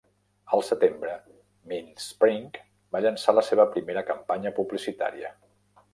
Al setembre, MindSpring va llançar la seva primera campanya publicitària.